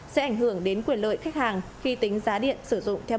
sẽ ảnh hưởng đến quyền lợi khách hàng khi tính giá điện sử dụng theo bậc thang